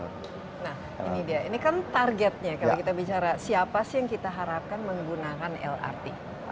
nah ini dia ini kan targetnya kalau kita bicara siapa sih yang kita harapkan menggunakan lrt